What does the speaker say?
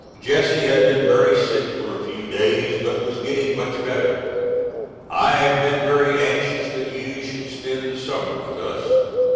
Jesse had been very sick for a few days but was getting much better. I have been very anxious that you should spend the summer with us.